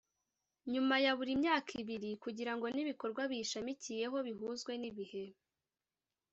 nyuma ya buri myaka ibiri kugirango n'ibikorwa biyishamikiyeho bihuzwe n'ibihe.